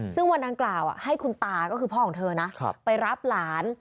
ซึ่งวันดังกล่าวให้คุณตาก็คือพ่อของเธอนะไปรับหลาน